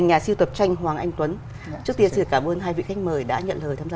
nhà siêu tập tranh hoàng anh tuấn trước tiên xin cảm ơn hai vị khách mời đã nhận lời tham gia